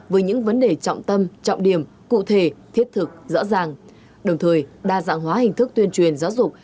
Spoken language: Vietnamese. với những vấn đề trọng tâm trọng điểm cụ thể thiết thực rõ ràng đồng thời đa dạng hóa hình thức tuyên truyền giáo dục